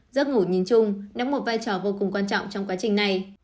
giấc ngủ nhìn chung đóng một vai trò vô cùng quan trọng trong quá trình này